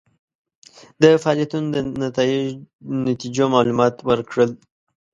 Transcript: د فعالیتونو د نتیجو معلومات ورکړل.